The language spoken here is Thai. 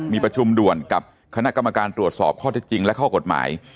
มีประชุมด่วนกับคณะกรรมการตรวจสอบข้อเท็จจริงและข้อกฎหมาย